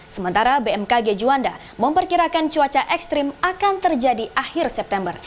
sementara bmkg juanda memperkirakan cuaca ekstrim akan terjadi akhir september